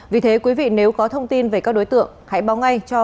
vì thế quý vị nếu có thông tin về các đối tượng hãy báo ngay cho